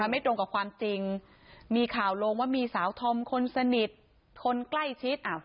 ไม่ตรงกับความจริงมีข่าวลงว่ามีสาวธอมคนสนิทคนใกล้ชิด